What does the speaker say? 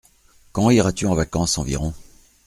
Quand iras-tu en vacances environ ?